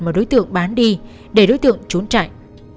mà đối tượng bán đi để đối tượng trốn chạy